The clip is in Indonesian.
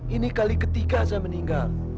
ini kali ketiga saya meninggal